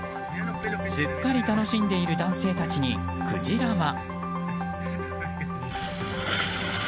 すっかり楽しんでいる男性たちにクジラは。